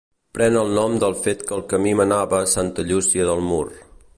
Pren el nom del fet que el camí menava a Santa Llúcia de Mur.